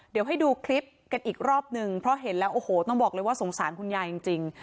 เดี๋ยวให้ดูคลิปกันอีกรอบนึงเพราะเห็นแล้วโอ้โหต้องบอกเลยว่าสงสารคุณยายจริง